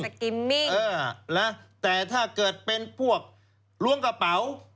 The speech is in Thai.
กิมมิ่งเออนะแต่ถ้าเกิดเป็นพวกล้วงกระเป๋า